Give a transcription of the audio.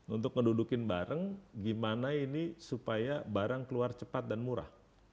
untuk ngedudukin bareng gimana ini supaya barang keluar cepat dan murah